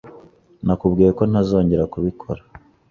Nakubwiye ko ntazongera kubikora.